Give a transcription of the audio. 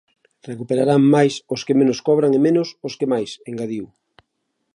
"Recuperarán máis os que menos cobran e menos, os que máis", engadiu.